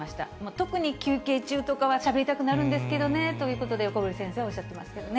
特に休憩中とかはしゃべりたくなるんですけどねということで、横堀先生、おっしゃっていますけどね。